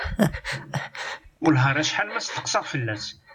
Wellah ar acḥal ma steqsaɣ fell-as.